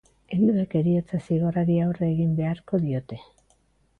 Helduek heriotza-zigorrari aurre egin beharko diote.